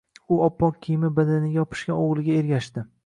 U oppoq kiyimi badaniga yopishgan o‘g‘liga ergashdi.